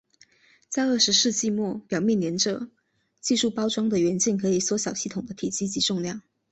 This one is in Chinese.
在二十世纪末时表面黏着技术包装的元件可以缩小系统的体积及重量。